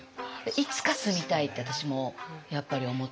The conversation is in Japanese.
いつか住みたいって私もやっぱり思ってて。